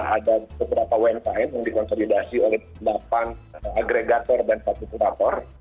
ada beberapa umkm yang dikonsolidasi oleh delapan agregator dan satu kurator